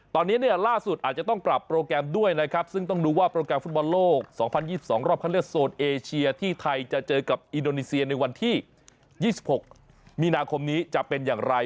ตอนนี้เนี่ยล่าสุดอาจจะต้องปรับโปรแกรมด้วยนะครับซึ่งต้องดูว่าโปรแกรมฟุตบอลโลก๒๐๒๒รอบคันเลือกโซนเอเชียที่ไทยจะเจอกับอินโดนีเซียในวันที่๒๖มีนาคมนี้จะเป็นอย่างไร